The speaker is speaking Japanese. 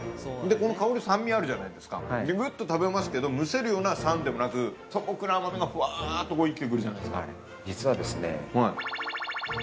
この香り、酸味あるじゃないですか、ぐっと食べますけど、むせるような酸でもなく、素朴な甘みがふわっと一気に来るじゃな実は××